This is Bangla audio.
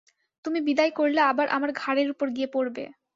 তুমি বিদায় করলে আবার আমার ঘাড়ের উপর গিয়ে পড়বে।